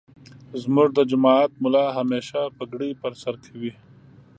زمونږ دجماعت ملا همیشه پګړی پرسرکوی.